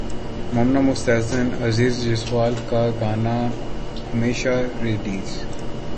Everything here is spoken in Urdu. مومنہ مستحسن عزیر جسوال کا گانا ہمیشہ ریلیز